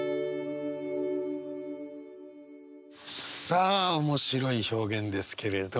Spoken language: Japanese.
さあ面白い表現ですけれど。